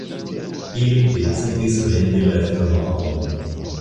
Ili decidis vendi la firmaon.